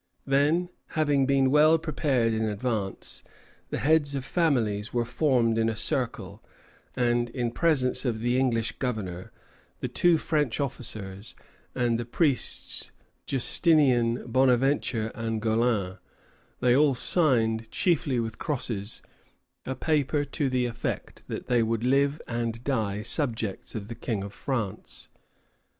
Then, having been well prepared in advance, the heads of families were formed in a circle, and in presence of the English governor, the two French officers, and the priests Justinien, Bonaventure, and Gaulin, they all signed, chiefly with crosses, a paper to the effect that they would live and die subjects of the King of France.